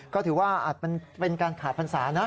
ก็ถือว่าอาจมันเป็นการขาดพรรษานะ